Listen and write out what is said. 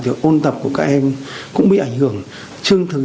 thì ôn tập của các em cũng bị ảnh hưởng